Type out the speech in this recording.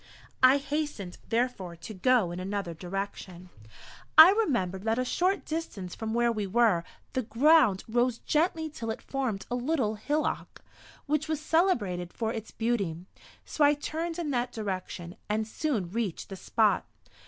I hastened, therefore, to go in another direction. I remembered that a short distance from where we were the ground rose gently till it formed a little hillock, which was celebrated for its beauty; so I turned in that direction, and soon reached the spot.